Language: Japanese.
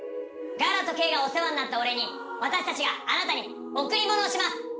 ガラとケーがお世話になったお礼に私たちがあなたに贈り物をします。